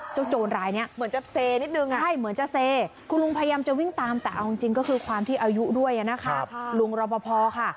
แต่เอาจริงก็คือความที่อายุด้วยนะคะลุงรับพอค่ะ